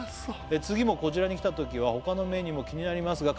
「次もこちらに来たときはほかのメニューも気になりますが」